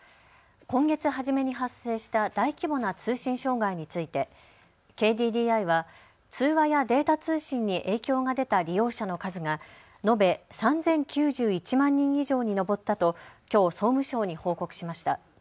今月初めに発生した大規模な通信障害についてＫＤＤＩは通話やデータ通信に影響が出た利用者の数が延べ３０９１万人以上に上ったときょう総務省に報告しました。